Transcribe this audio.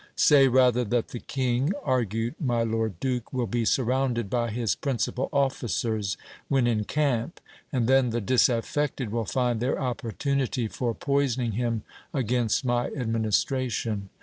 Say rather that the king, argued my lord 434 GIL BLAS. duke, will be surrounded by his principal officers when in camp ; and then the disaffected will find their opportunity for poisoning him against my administra tion.